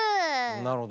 なるほどね。